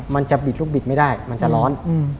มันจะบิดลูกบิดไม่ได้มันจะร้อน